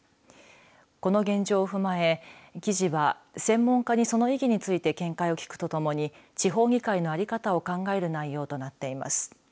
この現状を踏まえ、記事は専門家にその意義について見解を聞くとともに地方議会の在り方を考える内容となっています。